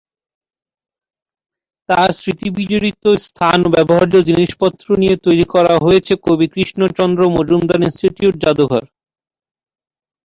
তার স্মৃতি বিজড়িত স্থান এবং ব্যবহার্য জিনিস পত্র নিয়ে তৈরি করা হয়েছে কবি কৃষ্ণচন্দ্র মজুমদার ইনস্টিটিউট জাদুঘর।